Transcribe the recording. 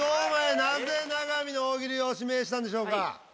なぜ永見の大喜利を指名したんでしょうか？